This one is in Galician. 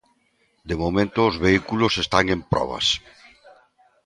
De momento, os vehículos están en probas.